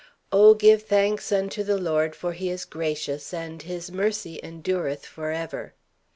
"O give thanks unto the Lord, for He is gracious: and His mercy endureth for ever!"